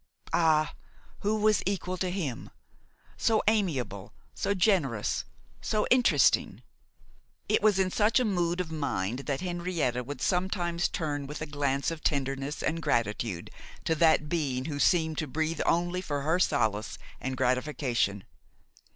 Ah! who was equal to him? so amiable, so generous, so interesting! It was in such a mood of mind that Henrietta would sometimes turn with a glance of tenderness and gratitude to that being who seemed to breathe only for her solace and gratification.